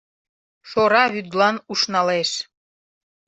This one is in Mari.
Шора вӱдлан ушналеш.